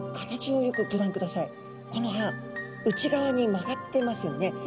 この歯内側に曲がってますよね。